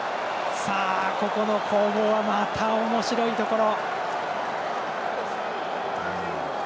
ここの攻防がまたおもしろいところ。